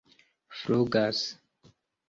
flugas